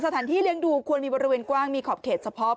เลี้ยงดูควรมีบริเวณกว้างมีขอบเขตเฉพาะ